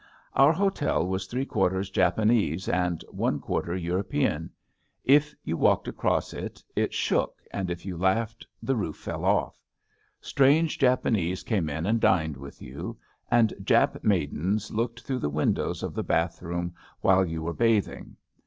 Our hotel was three quarters Japanese and one quarter European. If you walked across it it shook, and if you laughed the roof fell off. Strange Japanese came in and dined with you, and Jap maidens looked through the windows of the bathroom while you were bathing.